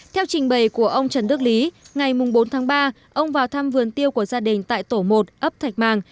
theo trình bày của ông trần đức lý ngày bốn tháng ba ông vào thăm vườn tiêu của gia đình tại tổ một ấp thạch màng